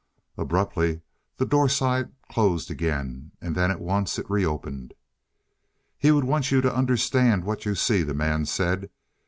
Abruptly the doorslide closed again, and then at once it reopened. "He would want you to understand what you see," the man said.